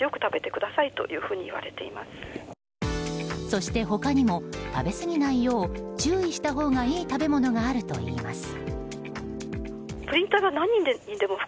そして、他にも食べすぎないよう注意したほうがいい食べ物があるといいます。